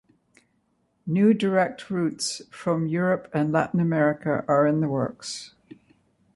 New direct routes from Europe and Latin America are in the works.